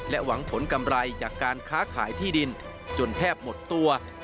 หวังผลกำไรจากการค้าขายที่ดินจนแทบหมดตัว